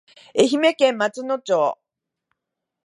愛媛県松野町